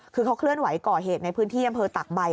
คือเขาเคลื่อนไหวก่อเหตุในพื้นที่อำเภอตากใบ